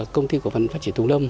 công ty của văn phát triển thủ lâm